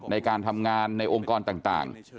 ในการทำงานในองค์กรต่าง